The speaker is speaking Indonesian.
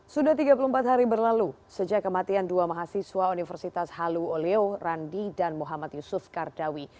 sudah tiga puluh empat hari berlalu sejak kematian dua mahasiswa universitas halu oleo randi dan muhammad yusuf kardawi